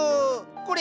これ！